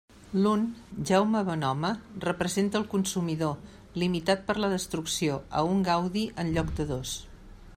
L'un, Jaume Bonhome, representa el consumidor, limitat per la destrucció a un gaudi en lloc de dos.